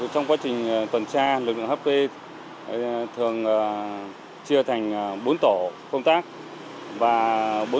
trong quá trình tuần tra lực lượng hp thường chia thành bốn tổ